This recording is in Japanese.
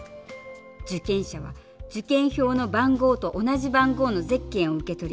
受験者は受験票の番号と同じ番号のゼッケンを受け取り